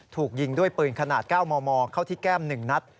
ถูกยิงด้วยปืนขนาด๙มมเข้าที่แก้ม๑นัด